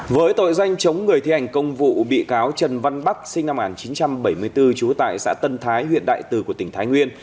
với tội danh chống người thi hành công vụ bị cáo trần văn bắc sinh năm một nghìn chín trăm bảy mươi bốn trú tại xã tân thái huyện đại từ của tỉnh thái nguyên